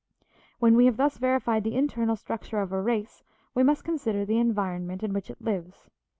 When we have thus verified the internal structure of a race we must consider the environment in which it lives.